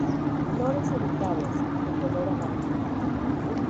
Flores solitarias, de color amarillo.